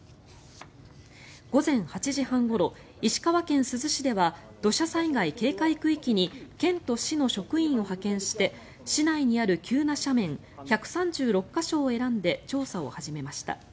午前８時半ごろ石川県珠洲市では土砂災害警戒区域に県と市の職員を派遣して市内にある急な斜面１３６か所を選んで調査を始めました。